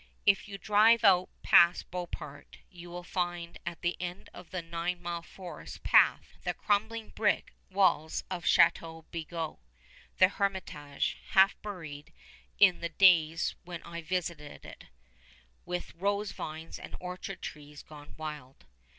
If you drive out past Beauport, you will find at the end of a nine mile forest path the crumbling brick walls of Château Bigot, the Hermitage, half buried, in the days when I visited it, with rose vines and orchard trees gone wild.